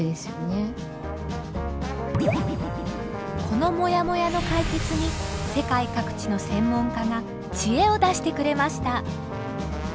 このもやもやの解決に世界各地の専門家がチエを出してくれました。